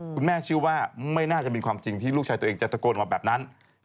คุณแม่เชื่อว่าไม่น่าจะเป็นความจริงที่ลูกชายตัวเองจะตะโกนมาแบบนั้น